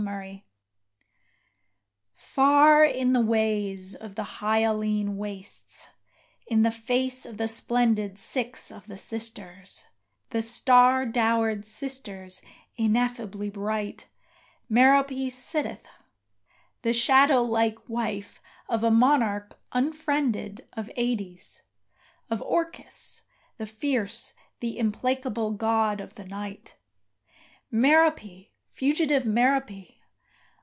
Merope Far in the ways of the hyaline wastes in the face of the splendid Six of the sisters the star dowered sisters ineffably bright, Merope sitteth, the shadow like wife of a monarch unfriended Of Ades of Orcus, the fierce, the implacable god of the night. Merope fugitive Merope!